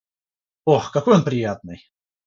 Ох, какой он приятный